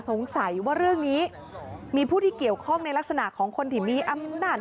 สงสัยว่าเรื่องนี้มีผู้ที่เกี่ยวข้องในลักษณะของคนที่มีอำนาจ